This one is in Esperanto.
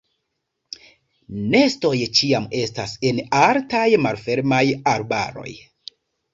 Nestoj ĉiam estas en altaj malfermaj arbaroj.